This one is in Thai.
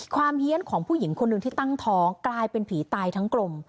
เฮียนของผู้หญิงคนหนึ่งที่ตั้งท้องกลายเป็นผีตายทั้งกลม